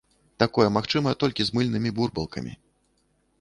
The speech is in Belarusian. Такое магчыма толькі з мыльнымі бурбалкамі.